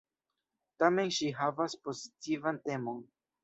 Tamen ŝi havas pozitivan temon.